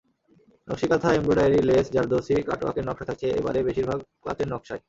Nakshi Kantha, embroidery, lace, zardozi, কাটওয়ার্কের নকশা থাকছে এবারে বেশির ভাগ ক্লাচের নকশায়।